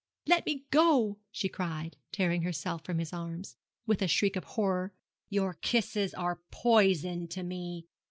'Let me go!' she cried, tearing herself from his arms, with a shriek of horror; 'your kisses are poison to me.